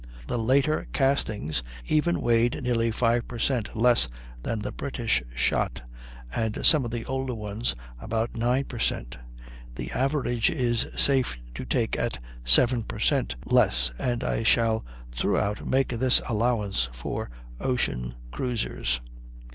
The later castings, even weighed nearly 5 per cent, less than the British shot, and some of the older ones, about 9 per cent. The average is safe to take at 7 per cent. less, and I shall throughout make this allowance for ocean cruisers.